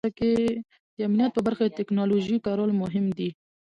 د امنیت په برخه کې د ټیکنالوژۍ کارول مهم دي.